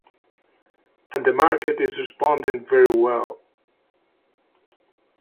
And the market is responding very well.